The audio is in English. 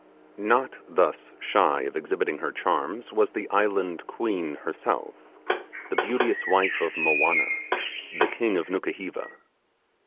Not thus shy of exhibiting her charms was the Island Queen herself, the beauteous wife of Movianna, the king of Nukuheva.